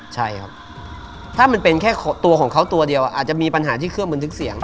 ใช่ครับถ้ามันเป็นแค่ตัวของเขาตัวเดียวอาจจะมีปัญหาที่เครื่องบันทึกเสียง